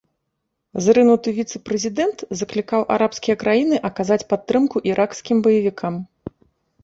Зрынуты віцэ-прэзідэнт заклікаў арабскія краіны аказаць падтрымку іракскім баевікам.